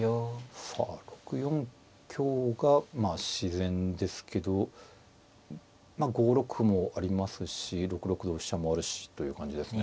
さあ６四香がまあ自然ですけど５六歩もありますし６六同飛車もあるしという感じですね。